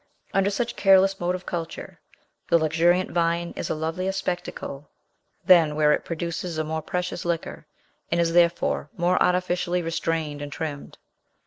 Under such careless mode of culture, the luxuriant vine is a lovelier spectacle than where it produces a more precious liquor, and is therefore more artificially restrained and trimmed.